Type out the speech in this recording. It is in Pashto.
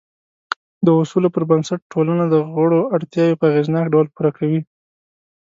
د اصولو پر بنسټ ټولنه د غړو اړتیاوې په اغېزناک ډول پوره کوي.